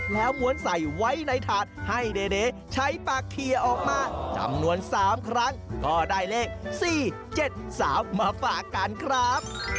แล้วม้วนใส่ไว้ในถาดให้เดใช้ปากเคลียร์ออกมาจำนวน๓ครั้งก็ได้เลข๔๗๓มาฝากกันครับ